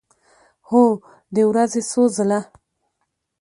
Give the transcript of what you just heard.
هو، د ورځې څو ځله